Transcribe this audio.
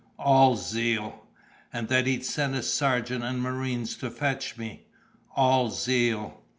"All zeal." "And that he'd send a sergeant and marines to fetch me." "All zeal."